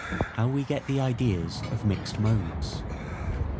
How we get the Ideas of mixed Modes.